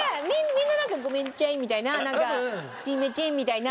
みんななんか「ごめんちゃい」みたいな「すいまちぇん」みたいな。